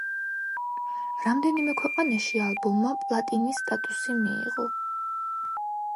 რამდენიმე ქვეყანაში ალბომმა პლატინის სტატუსი მიიღო.